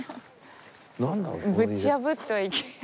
ぶち破ってはいけない。